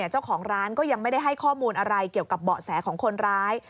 เจ้าของร้านก็ยังไม่ได้ให้ข้อมูลอะไรเกี่ยวกับเบาะแสของคนร้าย